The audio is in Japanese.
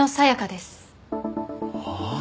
ああ！